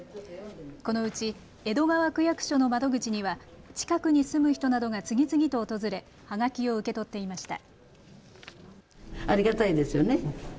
このうち江戸川区役所の窓口には近くに住む人などが次々と訪れはがきを受け取っていました。